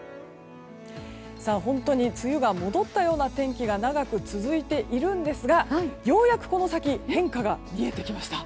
本当に梅雨が戻ったような天気が長く続いているんですがようやくこの先変化が見えてきました。